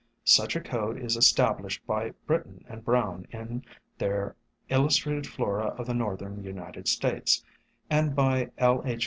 Such a code is established by Britton and Brown in their "Illustrated Flora of the Northern United States," and by L. H.